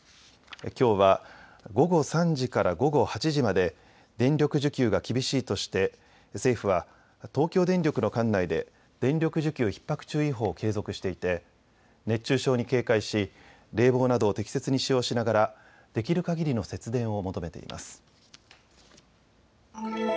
きょうは午後３時から午後８時まで電力需給が厳しいとして政府は東京電力の管内で電力需給ひっ迫注意報を継続していて熱中症に警戒し冷房などを適切に使用しながらできるかぎりの節電を求めています。